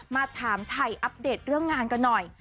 มาถามไทยอัปเดตเรื่องงานกันหน่อย